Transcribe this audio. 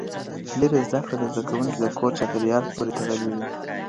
لېري زده کړه د زده کوونکي د کور چاپېریال پورې تړلې وي.